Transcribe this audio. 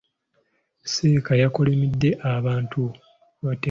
Seeka yakolimidde abatemu.